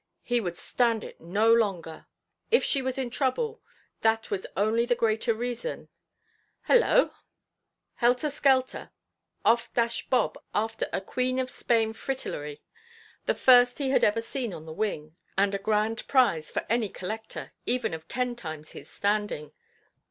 He would stand it no longer. If she was in trouble, that was only the greater reason—— Holloa! Helter–skelter, off dashed Bob after a Queen of Spain fritillary, the first he had ever seen on the wing, and a grand prize for any collector, even of ten times his standing.